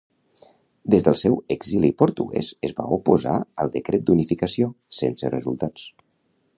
Des del seu exili portuguès es va oposar al Decret d'Unificació, sense resultats.